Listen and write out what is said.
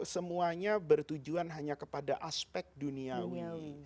semuanya bertujuan hanya kepada aspek duniawi